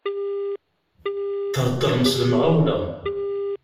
Theddṛem s lemɣawla.